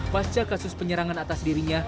pasca kasus penyerangan atas masjid al aqsa